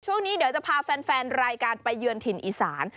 ช่วงนี้เดี๋ยวจะพาแฟนรายการไปเยือนถิ่นอีสาน